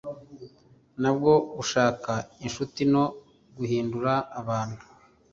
ntabwo 'gushaka inshuti no guhindura abantu